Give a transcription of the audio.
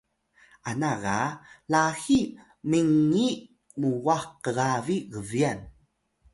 ana ga laxiy mingiy muwah kgabi gbyan